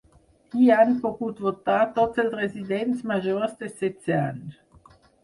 Hi han pogut votar tots els residents majors de setze anys.